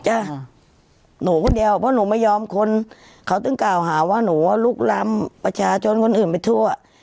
หนูคนเดียวเพราะหนูไม่ยอมคนเขาถึงกล่าวหาว่าหนูว่าลุกล้ำประชาชนคนอื่นไปทั่ว